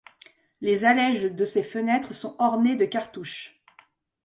Les allèges de ces fenêtres sont ornées de cartouches.